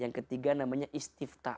yang ketiga namanya istiftah